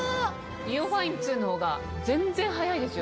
ＩＯファイン２の方が全然早いですよね。